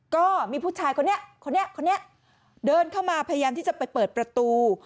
ก็มีผู้ชายคนนี้คนนี้คนนี้เดินเข้ามาพยายามที่จะไปเปิดประตู